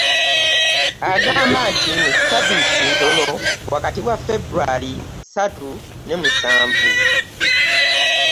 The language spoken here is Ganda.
Agamba nti mu Ssabiiti ntono wakati wa Febraury ssatu ne musanvu